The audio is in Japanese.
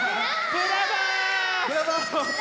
ブラボー！